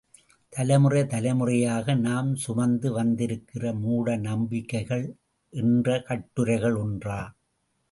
தலைமுறை தலைமுறையாக நாம் சுமந்து வந்திருக்கிற மூடநம்பிக்கைகள் என்ற கட்டுகள் ஒன்றா?